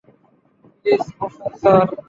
Please বসুন sir.